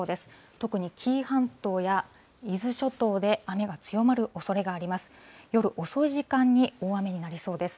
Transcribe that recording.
特に紀伊半島や伊豆諸島で、雨が強まるおそれがあります。